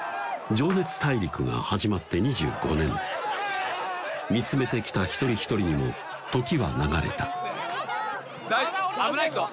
「情熱大陸」が始まって２５年見つめてきた一人一人にも時は流れた危ないっすよ